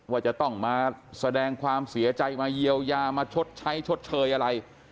ว่าจะต้องมาแสดงความเสียใจมาเยียวยามาชดใช้ชดเชยอะไร